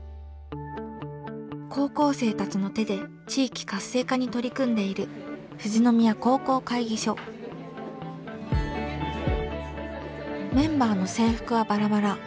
高校生たちの手で地域活性化に取り組んでいるメンバーの制服はバラバラ。